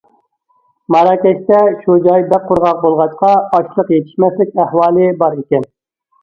ماراكەشتە، شۇ جاي بەك قۇرغاق بولغاچقا، ئاشلىق يېتىشمەسلىك ئەھۋالى بار ئىكەن.